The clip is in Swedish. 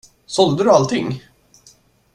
Sålde du allting?